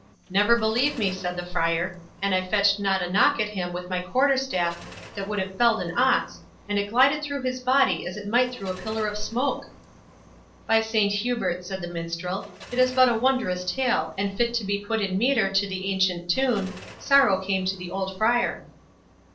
"Never believe me," said the Friar, "an I fetched not a knock at him with my quarter staff that would have felled an ox, and it glided through his body as it might through a pillar of smoke!" "By Saint Hubert," said the Minstrel, "but it is a wondrous tale, and fit to be put in metre to the ancient tune, 'Sorrow came to the old Friar.